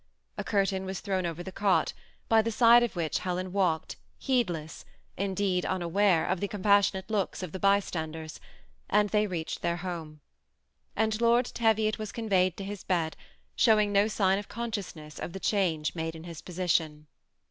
A cur tain was thrown over the cot, by the side of which Helen walked, heedless, indeed unaware of the compas sionate looks of the bystanders, and they reached their home ; and Lord Teviot was conveyed to his bed, show ing no sign of consciousness of the change made in his position.